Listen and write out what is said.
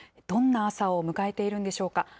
どんな朝を迎えているんでしょうか。